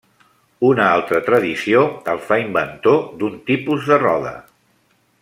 Una altra tradició el fa inventor d'un tipus de roda.